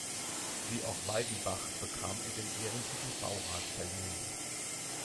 Wie auch Weidenbach, bekam er den Ehrentitel "Baurat" verliehen.